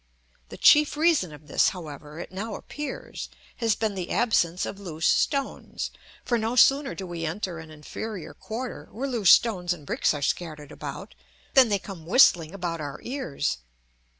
The chief reason of this, however, it now appears, has been the absence of loose stones, for no sooner do we enter an inferior quarter where loose stones and bricks are scattered about, than they come whistling about our ears.